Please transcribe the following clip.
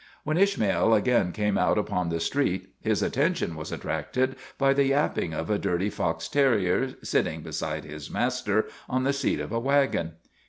When Ishmael again came out upon the street his attention was attracted by the yapping of a dirty fox terrier sitting beside his master on the seat of a wagon.